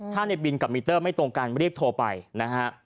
ถ้าในบินกับมิเตอร์ไม่ตรงกันรีบโทรไปนะฮะ